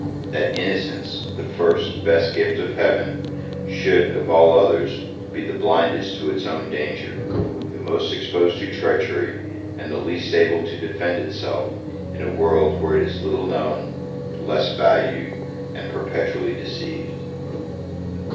that innocence, the first, best gift of Heaven, should, of all others, be the blindest to its own danger, the most exposed to treachery, and the least able to defend itself, in a world where it is little known, less valued, and perpetually deceived!